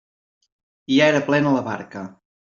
Ja era plena la barca!